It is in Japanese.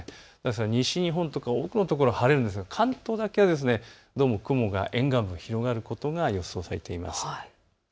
西日本とか多くの所、晴れるんですが関東だけはどうも雲が沿岸部、広がることが予想されています。